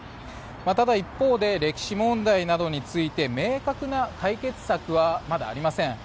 ただ一方で歴史問題などについて明確な解決策はまだありません。